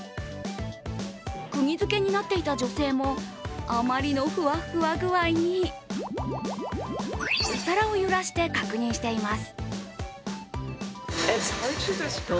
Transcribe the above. くぎ付けになっていた女性もあまりのふわふわ具合にお皿を揺らして確認しています。